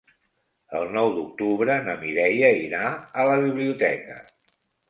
El nou d'octubre na Mireia irà a la biblioteca.